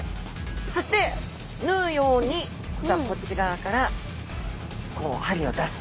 そして縫うようにこっち側からこう針を出す。